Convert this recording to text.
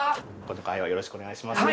今回はよろしくお願いします